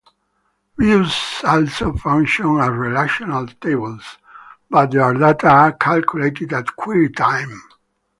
Views also function as relational tables, but their data are calculated at query time.